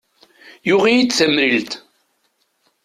Yuɣ-iyi-d tamrilt.